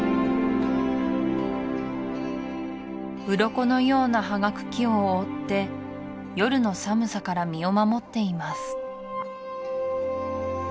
うろこのような葉が茎を覆って夜の寒さから身を守っています